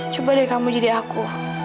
coba deh kamu jadi aku